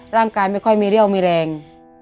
ร่างกายไม่ค่อยมีเรี่ยวมีแรง